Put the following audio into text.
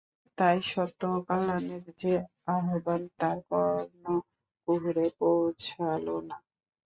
তাই সত্য ও কল্যাণের সে আহবান তার কর্ণকুহরে পৌঁছাল না।